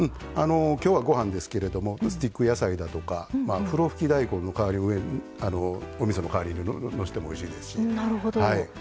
今日はご飯ですけどスティック野菜だとかふろふき大根とかおみその代わりにのせてもおいしいですし。